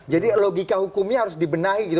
jadi logika hukumnya harus dibenahi gitu